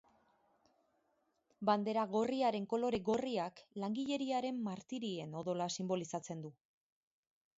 Bandera gorriaren kolore gorriak langileriaren martirien odola sinbolizatzen du.